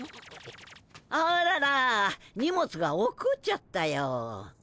あらら荷物が落っこっちゃったよ。